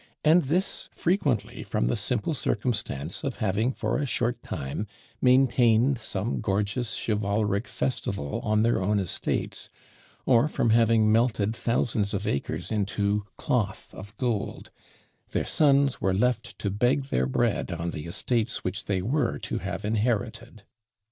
and this frequently from the simple circumstance of having for a short time maintained some gorgeous chivalric festival on their own estates, or from having melted thousands of acres into cloth of gold; their sons were left to beg their bread on the estates which they were to have inherited.